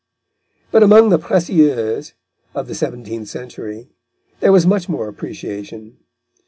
But among the précieuses of the seventeenth century there was much more appreciation.